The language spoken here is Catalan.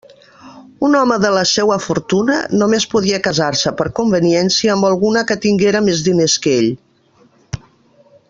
Un home de la seua fortuna només podia casar-se per conveniència amb alguna que tinguera més diners que ell.